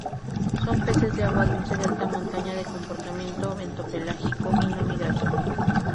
Son peces de agua dulce de alta montaña, de comportamiento bentopelágico y no migratorio.